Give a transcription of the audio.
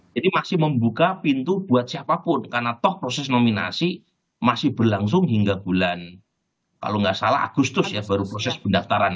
jadi masih membuka pintu buat siapapun karena toh proses nominasi masih berlangsung hingga bulan kalau nggak salah agustus ya baru proses pendaftaran ya